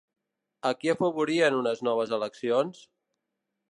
A qui afavorien unes noves eleccions?